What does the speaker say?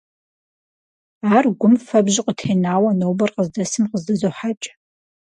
Ар гум фэбжьу къытенауэ нобэр къыздэсым къыздызохьэкӀ.